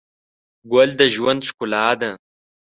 ګل د ژوند ښکلا ده.